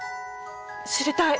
知りたい！